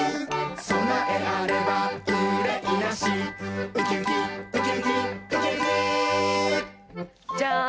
「そなえあればうれいなし」「ウキウキウキウキウキウキ」じゃん！